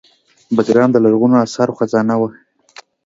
بګرام د لرغونو اثارو خزانه وه